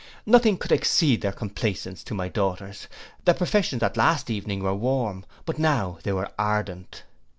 Nothing could exceed their complaisance to my daughters; their professions the last evening were warm, but now they were ardent.